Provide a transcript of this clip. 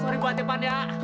sorry banget ya pan ya